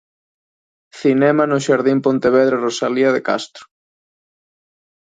Cinema no xardín Pontevedra Rosalía de Castro.